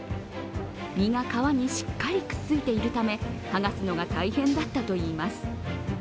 身が皮にしっかりくっついているため、はがすのが大変だったといいます。